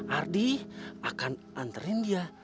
ardi akan anterin dia